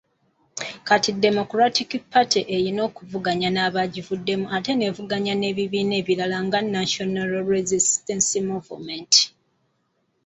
Kati Democratic Party erina okuvuganya n'abagivuddemu ate evuganye n'ebibiina ebirala nga National Resistance Movement.